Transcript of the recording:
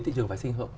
thị trường vệ sinh hợp